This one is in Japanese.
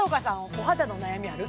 お肌の悩みある？